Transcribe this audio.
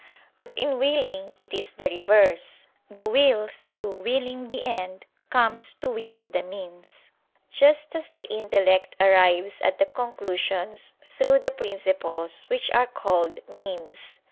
But in willing it is the reverse: the will through (willing) the end comes to will the means; just as the intellect arrives at the conclusions through the principles which are called "means."